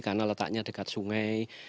karena letaknya dekat sungai